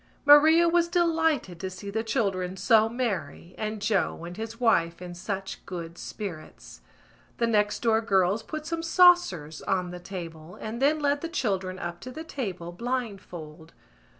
Maria was delighted to see the children so merry and Joe and his wife in such good spirits. The next door girls put some saucers on the table and then led the children up to the table, blindfold.